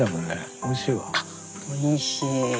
あおいしい！